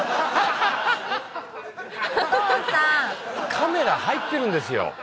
カメラ入ってるんですよ。